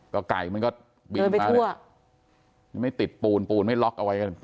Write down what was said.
ก็ไก่มันก็บินมาเลยโดยไปทั่วไม่ติดปูนปูนไม่ล็อกเอาไว้กัน